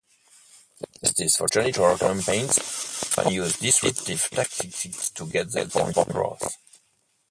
The Justice for Janitors campaigns often use disruptive tactics to get their point across.